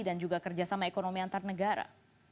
dan juga kerjasama ekonomi antar negara